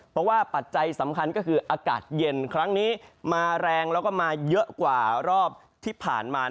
เพราะว่าปัจจัยสำคัญก็คืออากาศเย็นครั้งนี้มาแรงแล้วก็มาเยอะกว่ารอบที่ผ่านมา